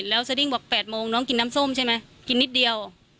แล้วสดิ้งบอก๘โมงน้องกินน้ำส้มใช่ไหมกินนิดเดียว